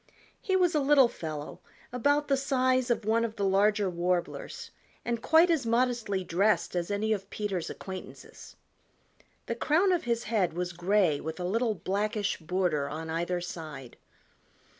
He was a little fellow about the size of one of the larger Warblers and quite as modestly dressed as any of Peter's acquaintances. The crown of his head was gray with a little blackish border on either side.